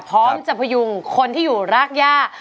พร้อมจะพยุงคนที่อยู่รากย่า